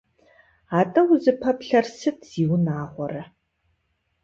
Атӏэ, узыпэплъэр сыт, зиунагъуэрэ!